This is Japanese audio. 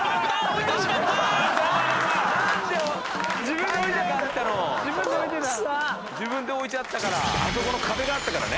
自分で置いちゃったから。